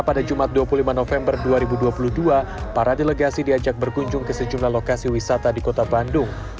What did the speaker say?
pada jumat dua puluh lima november dua ribu dua puluh dua para delegasi diajak berkunjung ke sejumlah lokasi wisata di kota bandung